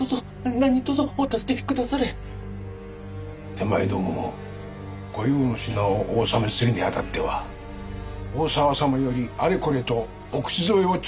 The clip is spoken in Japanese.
手前どもも御用の品をお納めするにあたっては大沢様よりあれこれとお口添えを頂戴しております。